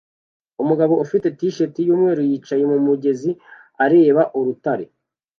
Umugabo ufite t-shirt yumweru yicaye mumugezi areba urutare